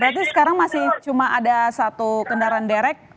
berarti sekarang masih cuma ada satu kendaraan derek